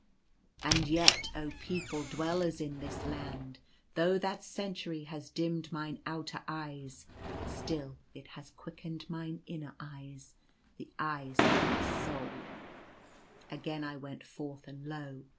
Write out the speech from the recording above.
And yet, oh people, dwellers in this land, though that century has dimmed mine outer eyes, still it has quickened mine inner eyes — the eyes of my sou!. Again I went forth, and lo